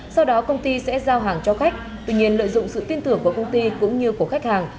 sau đó công ty sẽ giao hàng cho khách tuy nhiên lợi dụng sự tin tưởng của công ty cũng như của khách hàng